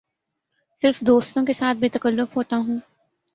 صرف دوستوں کے ساتھ بے تکلف ہوتا ہوں